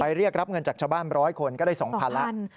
เรียกรับเงินจากชาวบ้าน๑๐๐คนก็ได้๒๐๐๐แล้ว